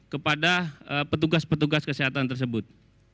kepada petugas petugas kesehatan tersebut